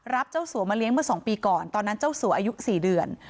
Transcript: รับเจ้าสัวมาเลี้ยงเมื่อ๒ปีก่อนตอนนั้นเจ้าสัวอายุ๔เดือน